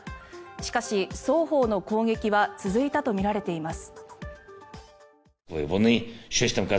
しかし、双方の攻撃は続いたとみられています。